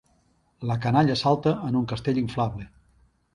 La canalla salta en un castell inflable.